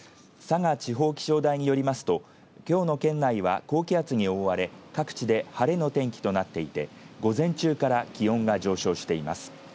佐賀地方気象台によりますときょうの県内は高気圧に覆われ各地で晴れの天気となっていて午前中から気温が上昇しています。